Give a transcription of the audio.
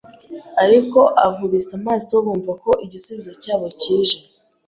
ariko ankubise amaso bumva ko igisubizo cyabo cyije.